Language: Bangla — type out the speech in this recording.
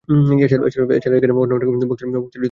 এছাড়া এখানে অন্য অনেক ভক্তের সমাধি আছে।